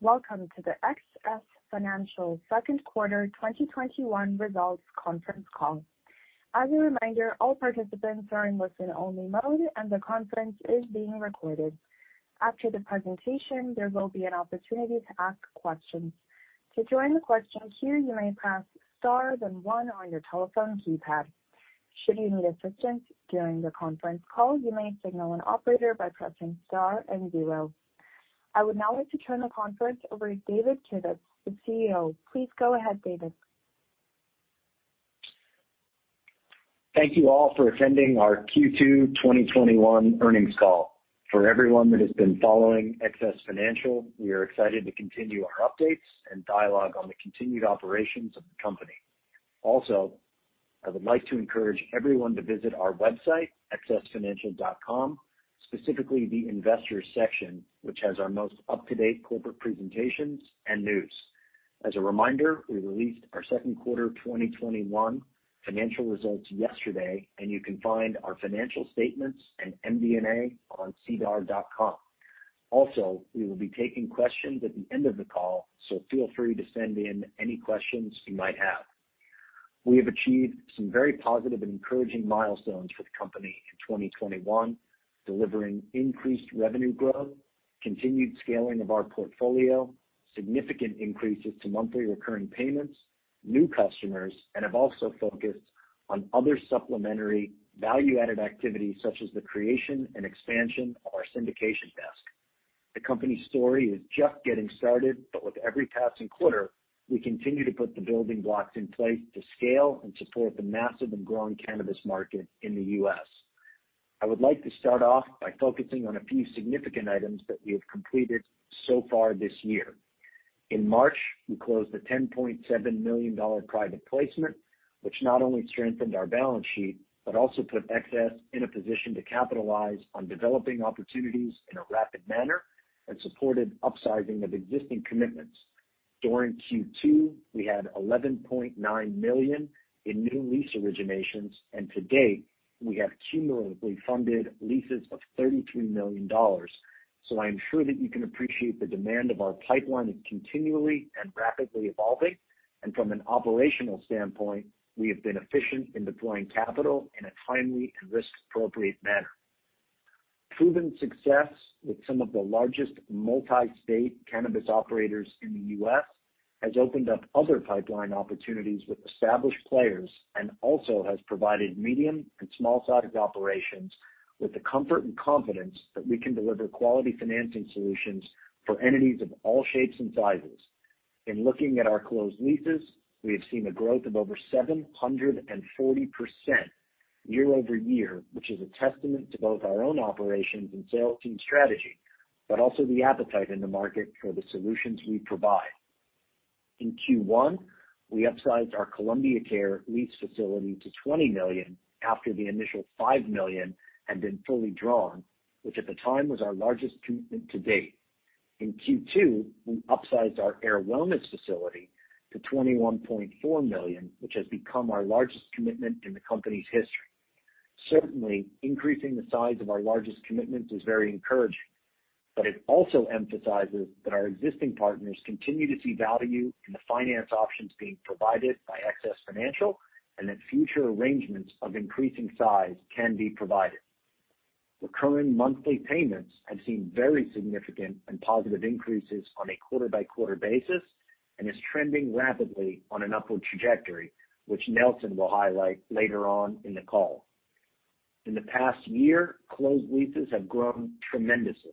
Welcome to the XS Financial Q2 2021 results conference call. As a reminder, all participants are in listen-only mode and the conference is being recorded. After the presentation, there will be an opportunity to ask questions. To join the question here, you may press star then one on your telephone keypad. Should you need any assistance during the conference call? You may signal an operator by pressing star and zero. I would now like to turn the conference over to David Kivitz, the CEO. Please go ahead, David. Thank you all for attending our Q2 2021 earnings call. For everyone that has been following XS Financial, we are excited to continue our updates and dialogue on the continued operations of the company. I would like to encourage everyone to visit our website, xsfinancial.com, specifically the investors section, which has our most up-to-date corporate presentations and news. As a reminder, we released our Q2 2021 financial results yesterday, and you can find our financial statements and MD&A on SEDAR.com. We will be taking questions at the end of the call, feel free to send in any questions you might have. We have achieved some very positive and encouraging milestones for the company in 2021, delivering increased revenue growth, continued scaling of our portfolio, significant increases to monthly recurring payments, new customers, and have also focused on other supplementary value-added activities such as the creation and expansion of our syndication desk. The company's story is just getting started, but with every passing quarter, we continue to put the building blocks in place to scale and support the massive and growing cannabis market in the U.S. I would like to start off by focusing on a few significant items that we have completed so far this year. In March, we closed a $10.7 million private placement, which not only strengthened our balance sheet, but also put XS in a position to capitalize on developing opportunities in a rapid manner and supported upsizing of existing commitments. During Q2, we had $11.9 million in new lease originations, and to date, we have cumulatively funded leases of $33 million. I am sure that you can appreciate the demand of our pipeline is continually and rapidly evolving, and from an operational standpoint, we have been efficient in deploying capital in a timely and risk-appropriate manner. Proven success with some of the largest multi-state cannabis operators in the U.S. has opened up other pipeline opportunities with established players, and also has provided medium and small-sized operations with the comfort and confidence that we can deliver quality financing solutions for entities of all shapes and sizes. In looking at our closed leases, we have seen a growth of over 740% year-over-year, which is a testament to both our own operations and sales team strategy, but also the appetite in the market for the solutions we provide. In Q1, we upsized our Columbia Care lease facility to $20 million after the initial $5 million had been fully drawn, which at the time was our largest commitment to date. In Q2, we upsized our Ayr Wellness facility to $21.4 million, which has become our largest commitment in the company's history. Certainly, increasing the size of our largest commitments is very encouraging, but it also emphasizes that our existing partners continue to see value in the finance options being provided by XS Financial, and that future arrangements of increasing size can be provided. Recurring monthly payments have seen very significant and positive increases on a quarter-by-quarter basis and is trending rapidly on an upward trajectory, which Stephen Christoffersen will highlight later on in the call. In the past year, closed leases have grown tremendously.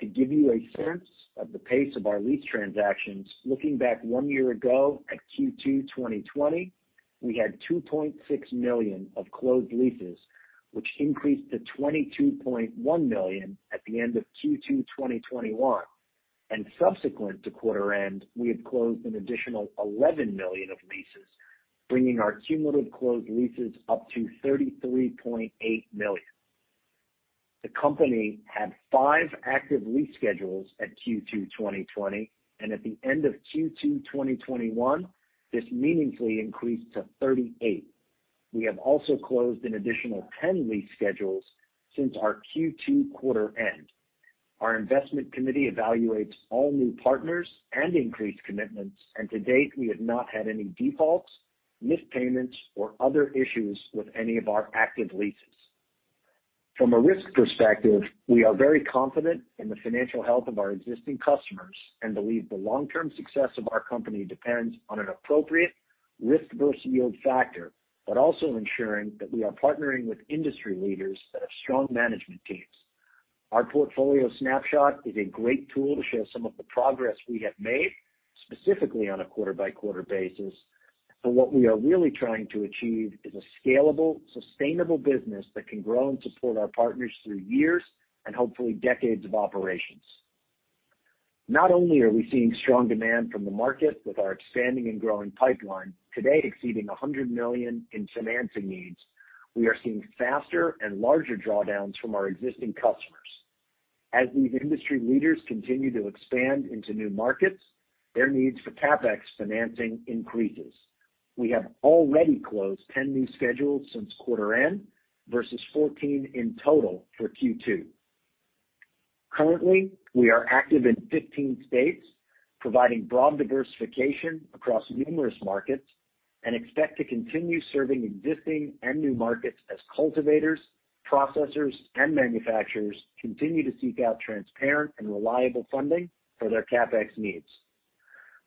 To give you a sense of the pace of our lease transactions, looking back one year ago at Q2 2020, we had $2.6 million of closed leases, which increased to $22.1 million at the end of Q2 2021. Subsequent to quarter-end, we have closed an additional $11 million of leases, bringing our cumulative closed leases up to $33.8 million. The company had five active lease schedules at Q2 2020, and at the end of Q2 2021, this meaningfully increased to 38. We have also closed an additional 10 lease schedules since our Q2 quarter-end. Our investment committee evaluates all new partners and increased commitments, to-date, we have not had any defaults, missed payments, or other issues with any of our active leases. From a risk perspective, we are very confident in the financial health of our existing customers and believe the long-term success of our company depends on an appropriate risk versus yield factor, but also ensuring that we are partnering with industry leaders that have strong management teams. Our portfolio snapshot is a great tool to show some of the progress we have made, specifically on a quarter-by-quarter basis. What we are really trying to achieve is a scalable, sustainable business that can grow and support our partners through years and hopefully decades of operations. Not only are we seeing strong demand from the market with our expanding and growing pipeline, today exceeding $100 million in financing needs, we are seeing faster and larger drawdowns from our existing customers. As these industry leaders continue to expand into new markets, their needs for CapEx financing increases. We have already closed 10 new schedules since quarter-end, versus 14 in total for Q2. Currently, we are active in 15 states, providing broad diversification across numerous markets, and expect to continue serving existing and new markets as cultivators, processors, and manufacturers continue to seek out transparent and reliable funding for their CapEx needs.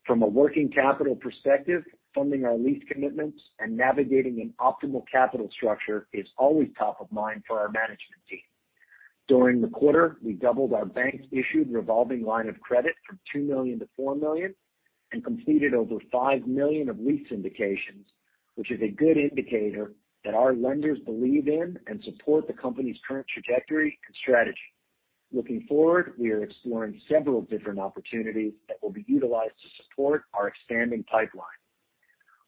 From a working capital perspective, funding our lease commitments and navigating an optimal capital structure is always top of mind for our management team. During the quarter, we doubled our bank-issued revolving line of credit from $2 million-$4 million and completed over $5 million of lease syndications, which is a good indicator that our lenders believe in and support the company's current trajectory and strategy. Looking forward, we are exploring several different opportunities that will be utilized to support our expanding pipeline.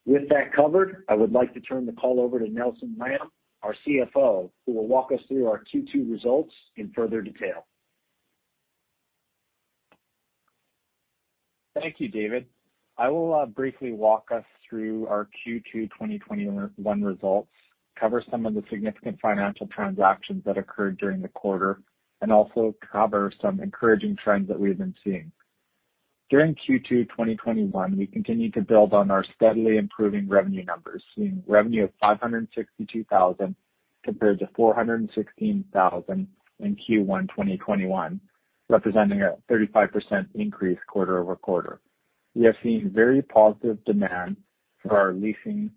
With that covered, I would like to turn the call over to Stephen Christoffersen, our CFO, who will walk us through our Q2 results in further detail. Thank you, David. I will briefly walk us through our Q2 2021 results, cover some of the significant financial transactions that occurred during the quarter, and also cover some encouraging trends that we have been seeing. During Q2 2021, we continued to build on our steadily improving revenue numbers, seeing revenue of $562,000 compared to $416,000 in Q1 2021, representing a 35% increase quarter-over-quarter. We have seen very positive demand for our leasing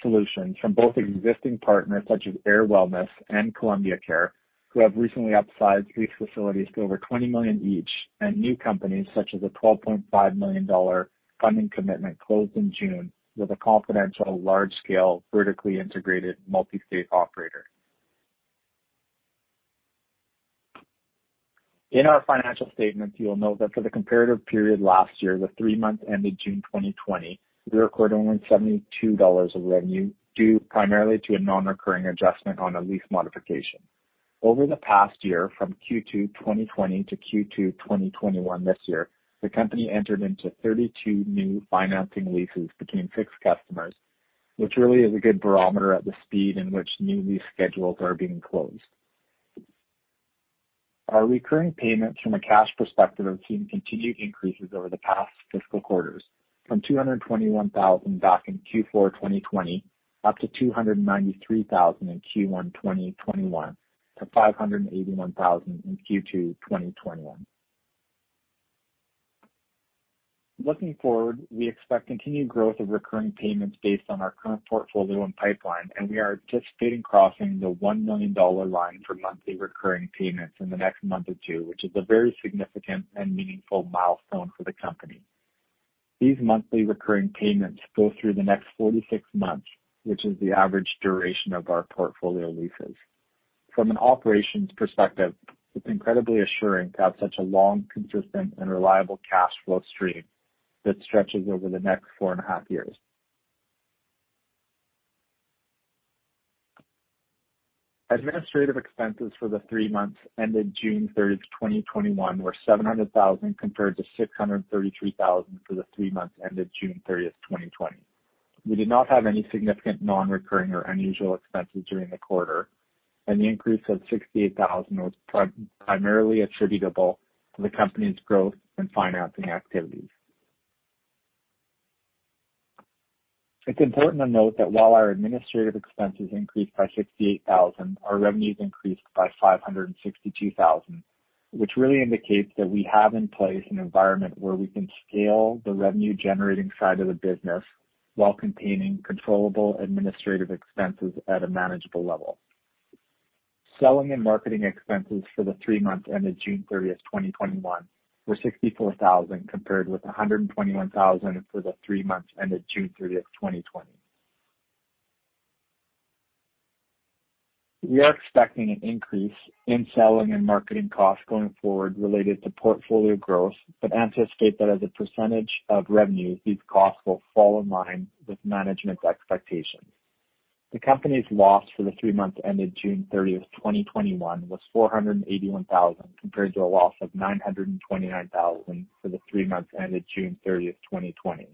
solutions from both existing partners such as Ayr Wellness and Columbia Care, who have recently upsized lease facilities to over $20 million each, and new companies such as a $12.5 million funding commitment closed in June with a confidential, large-scale, vertically integrated multi-state operator. In our financial statements, you will note that for the comparative period last year, the three months ended June 2020, we recorded only $72 of revenue, due primarily to a non-recurring adjustment on a lease modification. Over the past year, from Q2 2020 to Q2 2021 this year, the company entered into 32 new financing leases between six customers, which really is a good barometer at the speed in which new lease schedules are being closed. Our recurring payments from a cash perspective have seen continued increases over the past fiscal quarters, from $221,000 back in Q4 2020 up to $293,000 in Q1 2021-$581,000 in Q2 2021. Looking forward, we expect continued growth of recurring payments based on our current portfolio and pipeline. We are anticipating crossing the $1 million line for monthly recurring payments in the next month or two, which is a very significant and meaningful milestone for the company. These monthly recurring payments go through the next 46 months, which is the average duration of our portfolio leases. From an operations perspective, it's incredibly assuring to have such a long, consistent and reliable cash flow stream that stretches over the next four and a half years. Administrative expenses for the three months ended June 30, 2021, were $700,000 compared to $633,000 for the three months ended June 30, 2020. We did not have any significant non-recurring or unusual expenses during the quarter. The increase of $68,000 was primarily attributable to the company's growth and financing activities. It's important to note that while our administrative expenses increased by $68,000, our revenues increased by $562,000, which really indicates that we have in place an environment where we can scale the revenue-generating side of the business while containing controllable administrative expenses at a manageable level. Selling and marketing expenses for the three months ended June 30th, 2021 were $64,000, compared with $121,000 for the three months ended June 30th, 2020. We are expecting an increase in selling and marketing costs going forward related to portfolio growth, but anticipate that as a percentage of revenue, these costs will fall in line with management's expectations. The company's loss for the three months ended June 30th, 2021 was $481,000, compared to a loss of $929,000 for the three months ended June 30th, 2020.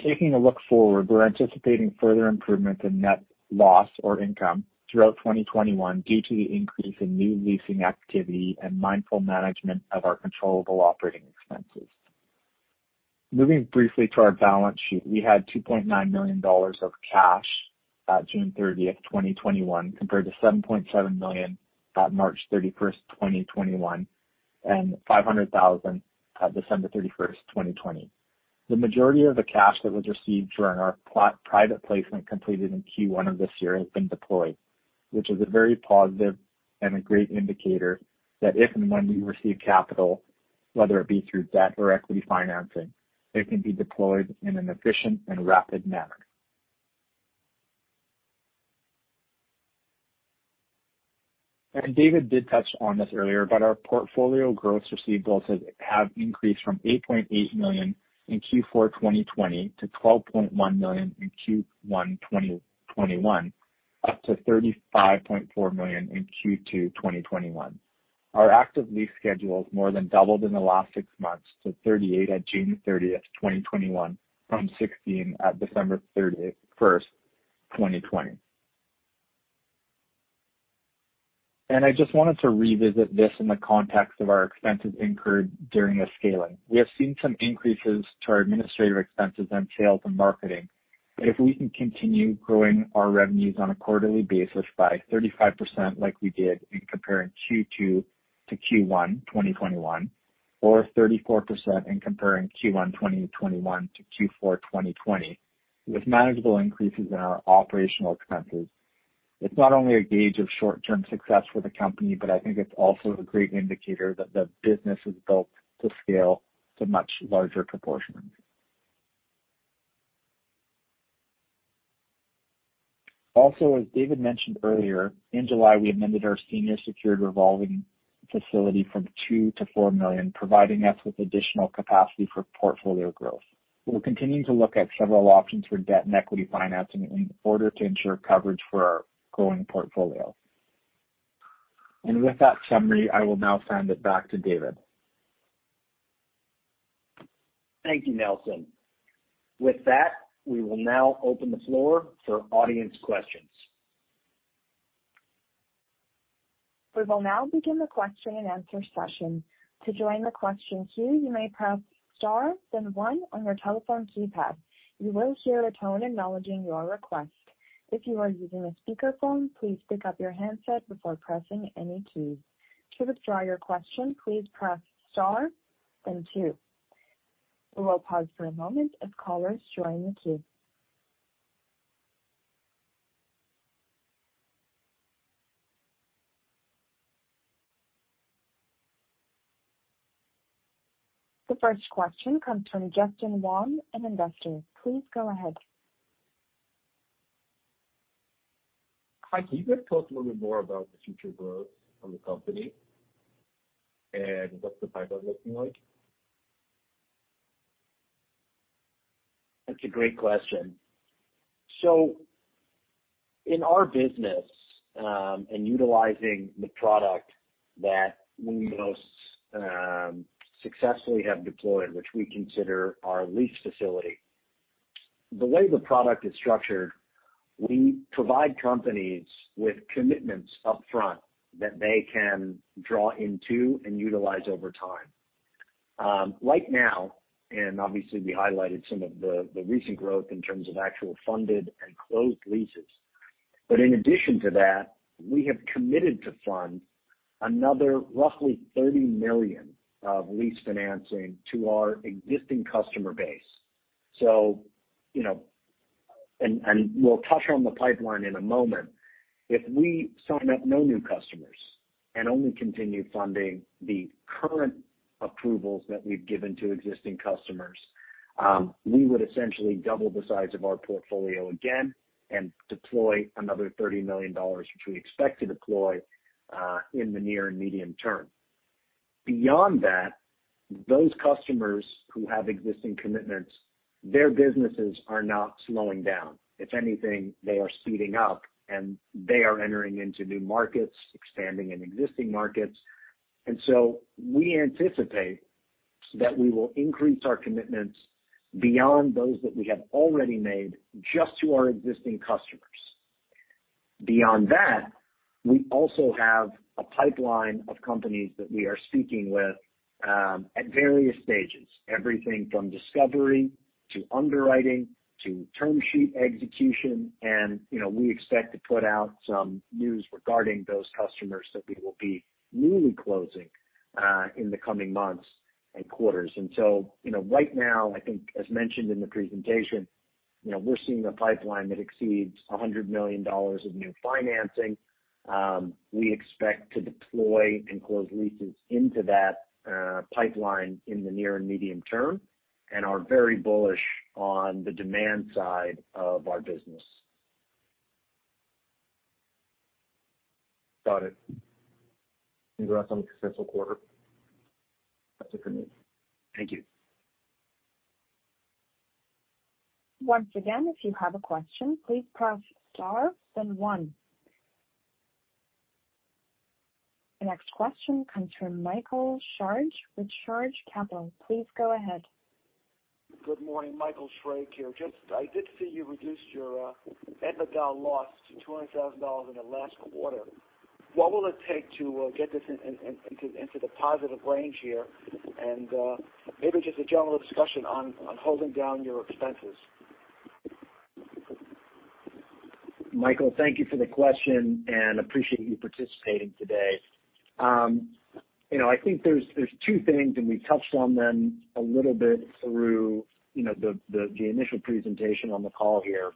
Taking a look forward, we're anticipating further improvements in net loss or income throughout 2021 due to the increase in new leasing activity and mindful management of our controllable operating expenses. Moving briefly to our balance sheet, we had $2.9 million of cash at June 30, 2021, compared to $7.7 million at March 31, 2021 and $500,000 at December 31, 2020. The majority of the cash that was received during our private placement completed in Q1 2021 has been deployed, which is a very positive and a great indicator that if and when we receive capital, whether it be through debt or equity financing, it can be deployed in an efficient and rapid manner. David did touch on this earlier, but our portfolio gross receivables have increased from $8.8 million in Q4 2020-$12.1 million in Q1 2021. Up to $35.4 million in Q2 2021. Our active lease schedules more than doubled in the last six months to 38 at June 30th, 2021 from 16 at December 31st, 2020. I just wanted to revisit this in the context of our expenses incurred during a scaling. We have seen some increases to our administrative expenses and sales and marketing. If we can continue growing our revenues on a quarterly basis by 35% like we did in comparing Q2-Q1 2021, or 34% in comparing Q1 2021-Q4 2020, with manageable increases in our operational expenses. It's not only a gauge of short-term success for the company, but I think it's also a great indicator that the business is built to scale to much larger proportions. Also, as David mentioned earlier, in July, we amended our senior secured revolving facility from $2 million-$4 million, providing us with additional capacity for portfolio growth. We're continuing to look at several options for debt and equity financing in order to ensure coverage for our growing portfolio. With that summary, I will now send it back to David. Thank you, Stephen. With that, we will now open the floor for audience questions. We will now begin the question-and-answer session. To join the question queue, you may press star then one on your telephone keypad. You will hear a tone acknowledging your request. If you're using a speakerphone, please pick up your handset before pressing any keys. To withdraw your question, please press star then two. We will pause for a moment as callers join the queue. The first question comes from Justin Wong at Investors. Please go ahead. Hi. Can you guys talk a little bit more about the future growth from the company, and what's the pipeline looking like? That's a great question. In our business, and utilizing the product that we most successfully have deployed, which we consider our lease facility. The way the product is structured, we provide companies with commitments upfront that they can draw into and utilize over time. Right now, and obviously we highlighted some of the recent growth in terms of actual funded and closed leases. In addition to that, we have committed to fund another roughly $30 million of lease financing to our existing customer base. We'll touch on the pipeline in a moment. If we sign up no new customers and only continue funding the current approvals that we've given to existing customers, we would essentially double the size of our portfolio again and deploy another $30 million, which we expect to deploy in the near and medium-term. Beyond that, those customers who have existing commitments, their businesses are not slowing down. If anything, they are speeding up, and they are entering into new markets, expanding in existing markets. We anticipate that we will increase our commitments beyond those that we have already made just to our existing customers. Beyond that, we also have a pipeline of companies that we are speaking with at various stages. Everything from discovery to underwriting to term sheet execution, and we expect to put out some news regarding those customers that we will be newly closing in the coming months and quarters. Right now, I think as mentioned in the presentation, we're seeing a pipeline that exceeds $100 million of new financing. We expect to deploy and close leases into that pipeline in the near and medium term and are very bullish on the demand side of our business. Got it. Congrats on a successful quarter. That's it for me. Thank you. Once again, if you have a question, please press star, then one. The next question comes from Michael Schrage with Schrage Capital. Please go ahead. Good morning, Michael Schrage here. I did see you reduced your net loss to $200,000 in the last quarter. What will it take to get this into the positive range here? Maybe just a general discussion on holding down your expenses. Michael Schrage, thank you for the question, and appreciate you participating today. I think there's two things, and we touched on them a little bit through the initial presentation on the call here.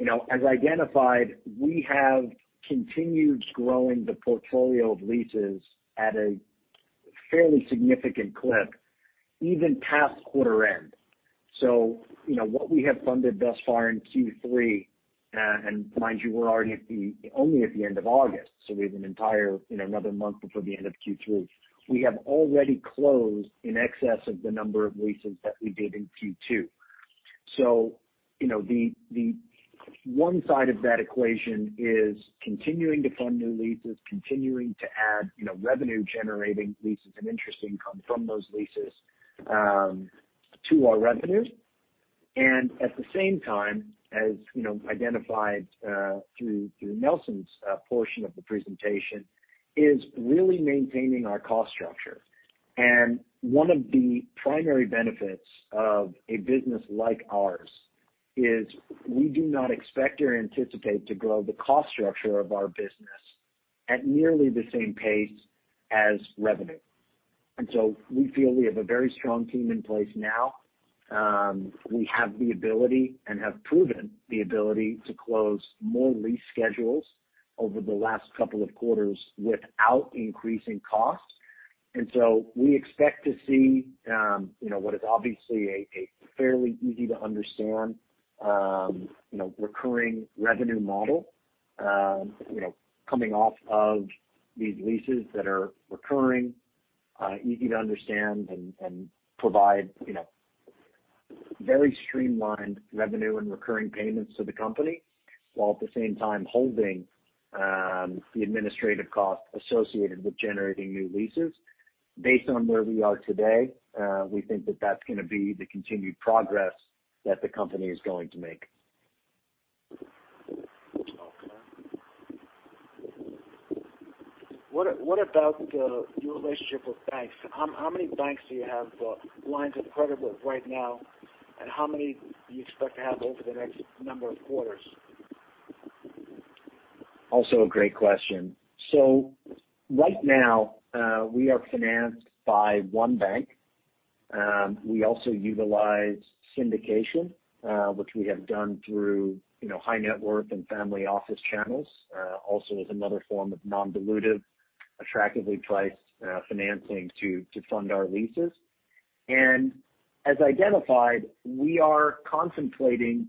As identified, we have continued growing the portfolio of leases at a fairly significant clip, even past quarter end. What we have funded thus far in Q3, and mind you, we're only at the end of August, so we have another month before the end of Q3. We have already closed in excess of the number of leases that we did in Q2. The one side of that equation is continuing to fund new leases, continuing to add revenue-generating leases and interest income from those leases to our revenue. At the same time, as identified through Stephen Christoffersen's portion of the presentation, is really maintaining our cost structure. One of the primary benefits of a business like ours is we do not expect or anticipate to grow the cost structure of our business at nearly the same pace as revenue. We feel we have a very strong team in place now. We have the ability and have proven the ability to close more lease schedules over the last couple of quarters without increasing costs. We expect to see what is obviously a fairly easy-to-understand recurring revenue model coming off of these leases that are recurring, easy to understand, and provide very streamlined revenue and recurring payments to the company, while at the same time holding the administrative costs associated with generating new leases. Based on where we are today, we think that that's going to be the continued progress that the company is going to make. Okay. What about your relationship with banks? How many banks do you have lines of credit with right now, and how many do you expect to have over the next number of quarters? A great question. Right now, we are financed by one bank. We also utilize syndication, which we have done through high-net worth and family office channels. As another form of non-dilutive, attractively priced financing to fund our leases. As identified, we are contemplating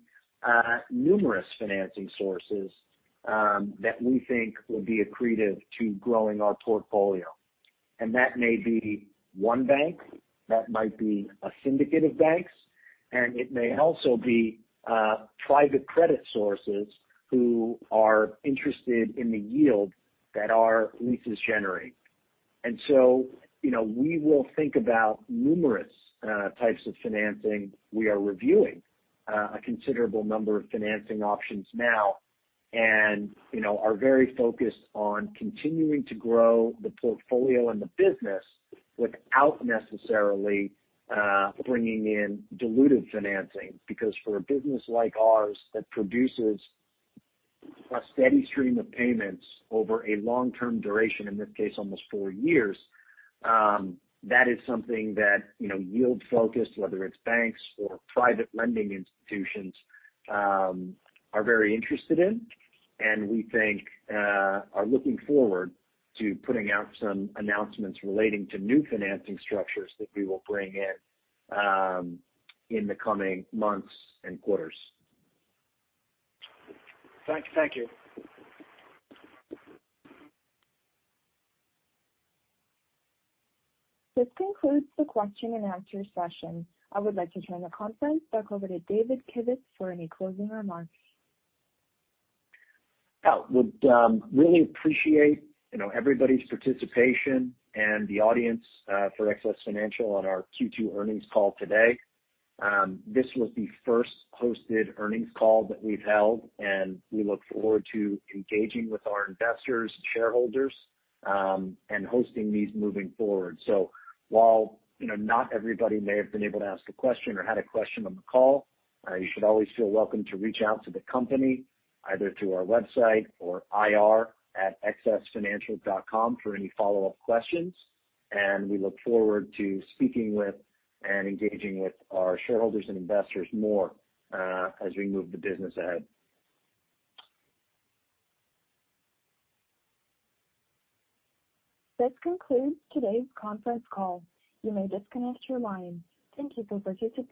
numerous financing sources that we think will be accretive to growing our portfolio. That may be one bank, that might be a syndicate of banks, and it may also be private credit sources who are interested in the yield that our leases generate. We will think about numerous types of financing. We are reviewing a considerable number of financing options now, and are very focused on continuing to grow the portfolio and the business without necessarily bringing in dilutive financing. Because for a business like ours that produces a steady stream of payments over a long-term duration, in this case, almost four years, that is something that yield-focused, whether it's banks or private lending institutions, are very interested in. We think are looking forward to putting out some announcements relating to new financing structures that we will bring in in the coming months and quarters. Thank you. This concludes the question-and-answer session. I would like to turn the conference back over to David Kivitz for any closing remarks. I would really appreciate everybody's participation and the audience for XS Financial on our Q2 earnings call today. This was the first hosted earnings call that we've held, and we look forward to engaging with our investors, shareholders, and hosting these moving forward. While not everybody may have been able to ask a question or had a question on the call, you should always feel welcome to reach out to the company, either through our website or ir@xsfinancial.com for any follow-up questions. We look forward to speaking with and engaging with our shareholders and investors more as we move the business ahead. This concludes today's conference call. You may disconnect your line. Thank you for participating.